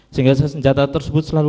sehingga senjata tersebut selalu